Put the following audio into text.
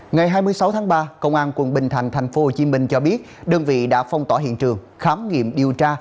ngày hai mươi sáu tháng ba công an tp hcm cho biết đơn vị đã phong tỏ hiện trường khám nghiệm điều tra